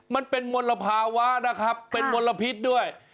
มันเป็นมลภาวะนะครับเป็นมลพิษด้วย